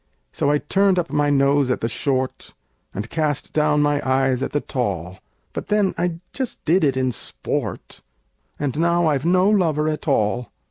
So I turned up my nose at the short, And cast down my eyes at the tall; But then I just did it in sport And now I've no lover at all!